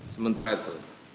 sementara waktu itu